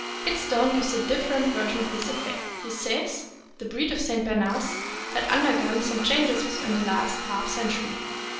"Idstone" gives a different version of this affair. He says: The breed of St. Bernards has undergone some changes within the last half century.